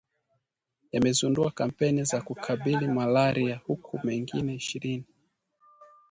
yamezindua kampeni za kukabili Malaria huku mengine ishirini